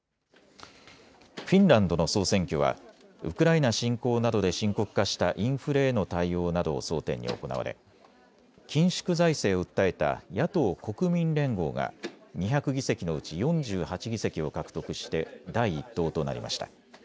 フィンランドの総選挙はウクライナ侵攻などで深刻化したインフレへの対応などを争点に行われ緊縮財政を訴えた野党国民連合が２００議席のうち４８議席を獲得して第１党となりました。